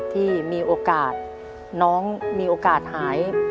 ที่มีโอกาสน้องมีโอกาสหาย